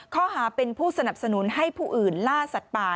ข้อหาเป็นผู้สนับสนุนให้ผู้อื่นล่าสัตว์ป่า